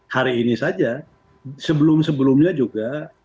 hari ini saja sebelum sebelumnya juga